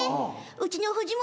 うちの藤本